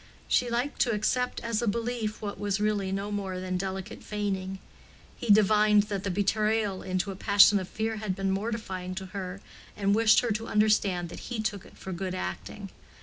She liked to accept as a belief what was really no more than delicate feigning. He divined that the betrayal into a passion of fear had been mortifying to her, and wished her to understand that he took it for good acting.